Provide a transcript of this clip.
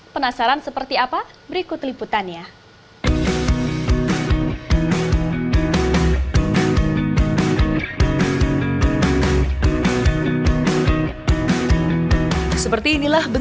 penasaran seperti apa berikut liputannya